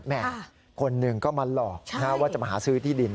คนหนึ่งก็มาหลอกว่าจะมาหาซื้อที่ดิน